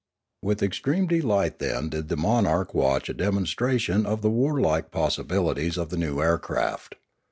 With extreme delight then did the monarch watch a demonstration of the warlike possibilities of the new air craft.